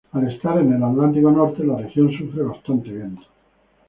Al estar en el Atlántico Norte, la región sufre bastante viento.